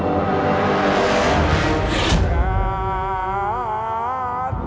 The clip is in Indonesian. kekalahan patih manggala